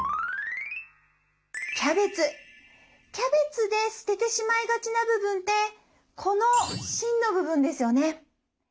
キャベツで捨ててしまいがちな部分ってこの芯の部分ですよね。